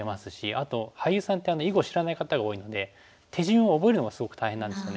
あと俳優さんって囲碁を知らない方が多いので手順を覚えるのがすごく大変なんですよね。